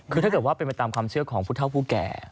คือถ้าเกิดว่าเป็นไปตามความเชื่อของผู้เท่าผู้แก่